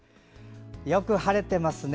よく晴れてますね。